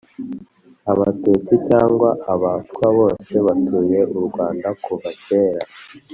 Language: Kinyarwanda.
abatutsi cyangwa abatwa, bose batuye u rwanda kuva kera,